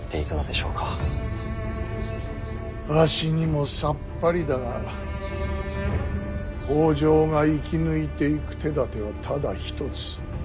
わしにもさっぱりだが北条が生き抜いていく手だてはただ一つ。